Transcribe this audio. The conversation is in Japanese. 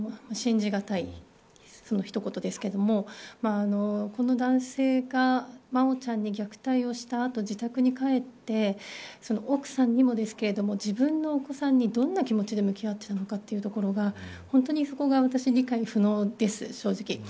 信じがたいその一言ですけれどもこの男性が真愛ちゃんに虐待をした後自宅に帰って奥さんにもですけれども自分のお子さんにどんな気持ちで向き合っていたのかというところが本当に、そこが私、理解不能です、正直。